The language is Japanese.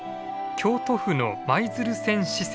京都府の舞鶴線支線。